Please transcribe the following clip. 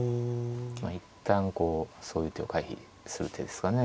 一旦こうそういう手を回避する手ですかね。